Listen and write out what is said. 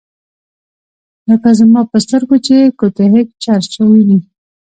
لکه زما په سترګو کې چي “ګوتهک چرچ” ویني